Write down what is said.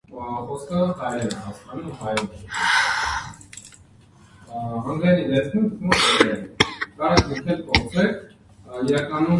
Ֆիլմը նախապաշարումների և սնահավատության դեմ տարվող պայքարի մասին է։